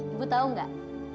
ibu tau gak